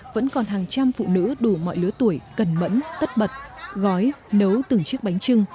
vẫn còn hàng trăm phụ nữ đủ mọi lứa tuổi cần mẫn tất bật gói nấu từng chiếc bánh trưng